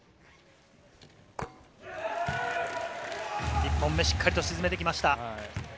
１本目、しっかりと沈めてきました。